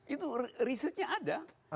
itu researchnya ada